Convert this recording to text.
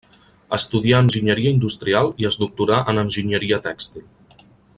Estudià enginyeria industrial i es doctorà en enginyeria tèxtil.